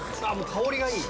香りがいい！